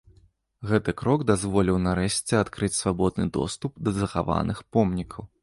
Гэты крок дазволіў нарэшце адкрыць свабодны доступ да захаваных помнікаў.